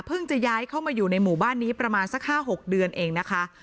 จะย้ายเข้ามาอยู่ในหมู่บ้านนี้ประมาณสัก๕๖เดือนเองนะคะ